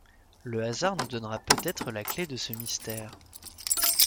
Le hasard nous donnera peut-être la clef de ce mystère